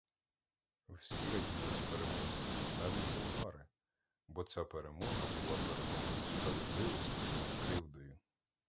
Всі раділи з перемоги, навіть болгари, бо ця перемога була перемогою справедливості над кривдою.